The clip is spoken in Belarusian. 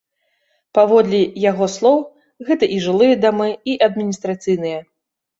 Паводле яго слоў, гэта і жылыя дамы, і адміністрацыйныя.